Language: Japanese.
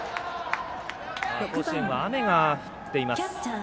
甲子園は雨が降っています。